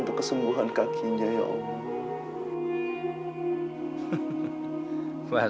untuk kesembuhan kakinya ya allah